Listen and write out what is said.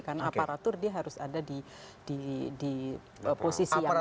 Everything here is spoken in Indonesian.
karena aparatur dia harus ada di posisi yang netral